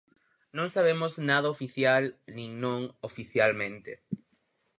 Non sabemos nada oficial nin non oficialmente.